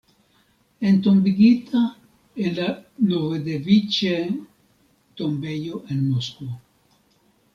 Entombigita en la Novodeviĉe-tombejo en Moskvo.